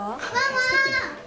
ママ！